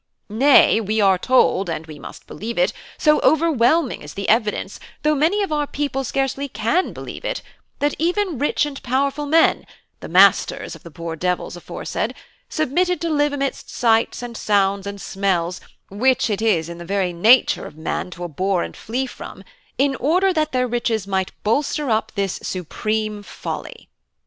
Nay, we are told, and we must believe it, so overwhelming is the evidence, though many of our people scarcely can believe it, that even rich and powerful men, the masters of the poor devils aforesaid, submitted to live amidst sights and sounds and smells which it is in the very nature of man to abhor and flee from, in order that their riches might bolster up this supreme folly.